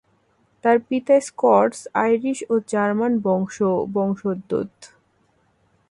তার পিতা স্কটস-আইরিশ ও জার্মান বংশোদ্ভূত।